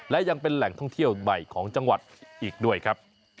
และยังเป็นแหล่งท่องเที่ยวใหม่ของจังหวัดอีกด้วยครับ